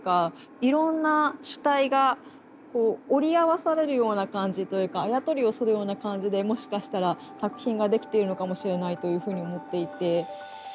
いろんな主体がこう織り合わされるような感じというかあや取りをするような感じでもしかしたら作品ができているのかもしれないというふうに思っていて。